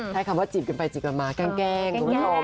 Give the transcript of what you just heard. ใช่คำว่าจีบกันไปจีบกันมาแกล้งดูน้อง